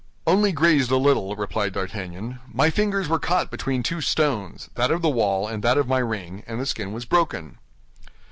"Only grazed a little," replied D'Artagnan; "my fingers were caught between two stones—that of the wall and that of my ring—and the skin was broken."